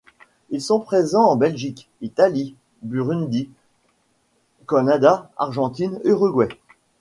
Ils sont présents en Belgique, Italie, Burundi, Canada, Argentine, Uruguay.